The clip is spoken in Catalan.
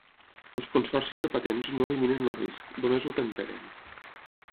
Els consorcis de patents no eliminen el risc, només el temperen.